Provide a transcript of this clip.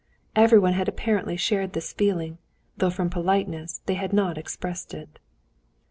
_" Everyone had apparently shared this feeling, though from politeness they had not expressed it.